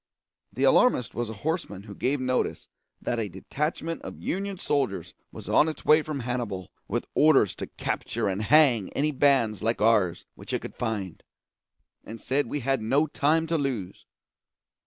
The alarmist was a horseman who gave notice that a detachment of Union soldiers was on its way from Hannibal with orders to capture and hang any bands like ours which it could find, and said we had no time to lose.